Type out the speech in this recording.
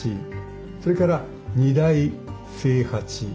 それから二代清八。